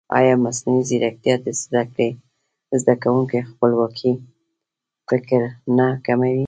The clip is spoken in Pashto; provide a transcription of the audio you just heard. ایا مصنوعي ځیرکتیا د زده کوونکي خپلواک فکر نه کموي؟